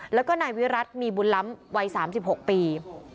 แล้วก็นายวิรัติมีบุญล้ำวัย๓๖ปี